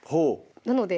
なので